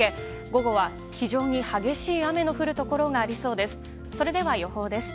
午後は非常に激しい雨の降るところがありそうです。